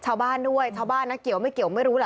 ชาวบ้านด้วยชาวบ้านนะเกี่ยวไม่เกี่ยวไม่รู้ล่ะ